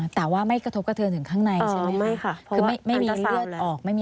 แต่ว่าไม่กระทบกระเทือนถึงข้างในใช่ไหมคะ